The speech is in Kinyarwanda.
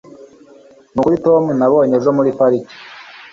nukuri tom nabonye ejo muri parike